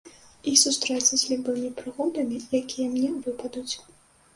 І сустрэцца з любымі прыгодамі, якія мне выпадуць.